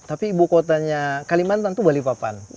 tapi ibu kotanya kalimantan itu balikpapan